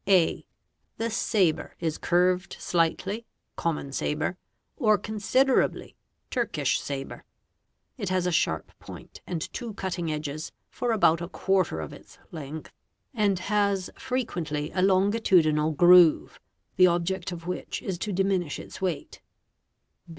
| é @ The sabre is curved slightly (common sabre) or considerably | (urkish sabre). It has a sharp point and two cutting edges for about a larter of its length, and has frequently a longitudinal groove, the object which is to diminish its weight.